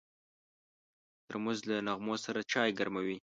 ترموز له نغمو سره چای ګرموي.